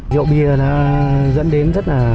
rượu bia là dẫn đến rất là